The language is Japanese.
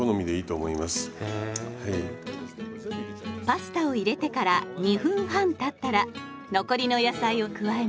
パスタを入れてから２分半たったら残りの野菜を加えます。